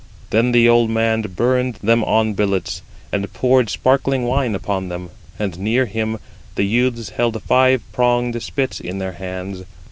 Then the old man burned them on billets, and poured sparkling wine upon them; and near him the youths held five pronged spits in their hands.